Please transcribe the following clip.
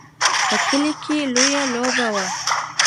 په کلي کې لویه لوبه وه.